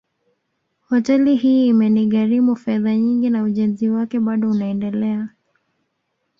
Hoteli hii imenigharimu fedha nyingi na ujenzi wake bado unaendelea